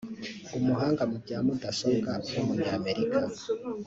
umuhanga mu bya mudasobwa w’umunyamerika